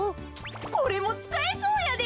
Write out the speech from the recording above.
これもつかえそうやで。